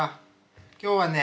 今日はね